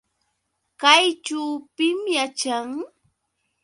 ¿Kayćhu pim yaćhan?